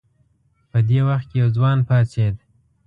په دې وخت کې یو ځوان پاڅېد.